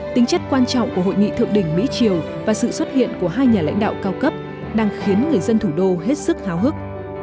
tính chất quan trọng của hội nghị thượng đỉnh mỹ triều và sự xuất hiện của hai nhà lãnh đạo cao cấp đang khiến người dân thủ đô hết sức háo hức